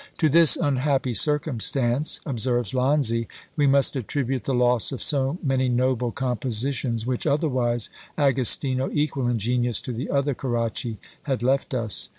To this unhappy circumstance, observes Lanzi, we must attribute the loss of so many noble compositions which otherwise Agostino, equal in genius to the other Caracci, had left us.